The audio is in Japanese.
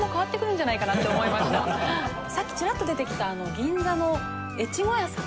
さっきチラッと出てきたぎんざの越後屋さん。